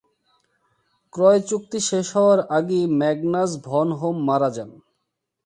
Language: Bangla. ক্রয় চুক্তি শেষ হওয়ার আগেই ম্যাগনাস ভন হোম মারা যান।